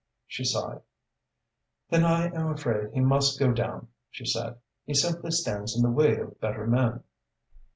She sighed. "Then I am afraid he must go down," she said. "He simply stands in the way of better men."